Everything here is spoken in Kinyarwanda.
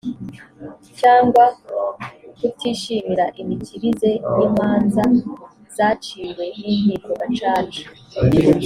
cyangwa kutishimira imikirize y imanza zaciwe n inkiko gacaca